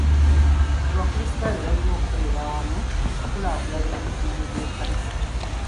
Abakrisitaayo balina okukolera awamu okukulaakulanya ebizimbe by'ekkanisa.